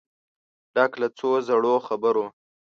ډک له څو زړو خبرو